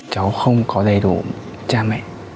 cháu không có đầy đủ cha mẹ